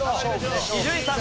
伊集院さん